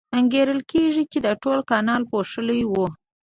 انګېرل کېږي چې دا ټول کانال پوښلی و.